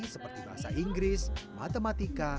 seperti bahasa inggris matematika